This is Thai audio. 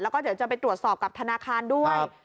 แล้วก็เดี๋ยวจะไปตรวจสอบกับธนาคารด้วย